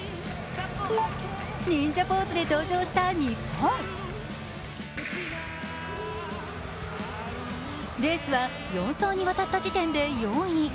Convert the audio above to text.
忍者ポーズで登場した日本レースは４走にわたった時点で４位に。